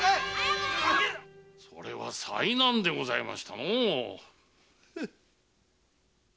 それは災難でございましたのう。